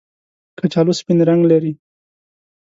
کچالو سپین رنګ لري